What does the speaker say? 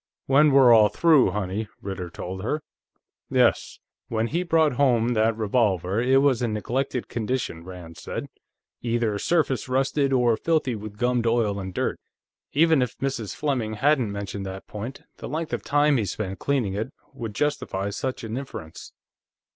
"When we're all through, honey," Ritter told her. "Yes. When he brought home that revolver, it was in neglected condition," Rand said. "Either surface rusted, or filthy with gummed oil and dirt. Even if Mrs. Fleming hadn't mentioned that point, the length of time he spent cleaning it would justify such an inference.